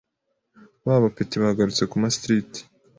Ba bapeti bagarutse ku ma striti